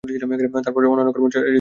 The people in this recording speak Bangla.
তারপর অন্যান্য কর্মচারীদের সাথে।